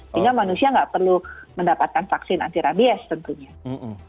sehingga manusia tidak perlu mendapatkan vaksin anti rabies tentunya